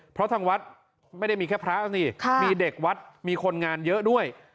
เพราะทางวัดไม่ได้มีแค่พระสิมีเด็กวัดมีคนงานเยอะด้วย